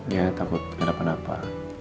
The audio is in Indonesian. ya takut kenapa napa